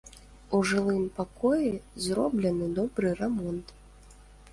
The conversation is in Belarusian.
У жылым пакоі зроблены добры рамонт.